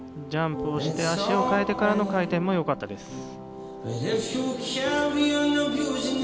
ジャンプをして足を換えてからの回転もよかったです。